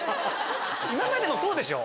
今までもそうでしょ？